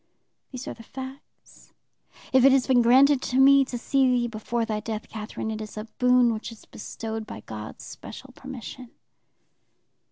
These are the facts. If it has been granted to me to see thee before thy death, Catherine, it is a boon which is bestowed by God's special permission.'